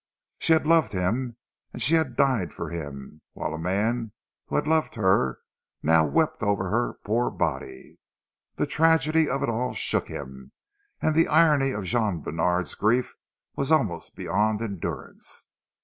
She had loved him, and she had died for him, whilst a man who had loved her, now wept over her poor body. The tragedy of it all shook him, and the irony of Jean Bènard's grief was almost beyond endurance.